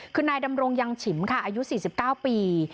คือนายดำรงยังฉิมค่ะอายุสี่สิบเก้าปี